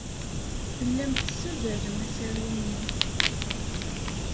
Tellam tessazzalem asaru-nni.